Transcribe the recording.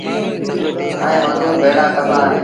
ائيٚݩ مزور ڀيڙآ ڪبآ اهيݩ